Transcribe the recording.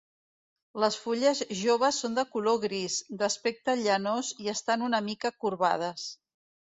Les fulles joves són de color gris, d'aspecte llanós i estan una mica corbades.